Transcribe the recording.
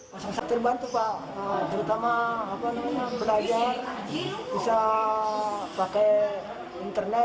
masa masa terbantu pak terutama pelajar bisa pakai internet